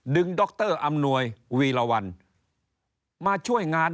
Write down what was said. ดรอำนวยวีรวรรณมาช่วยงาน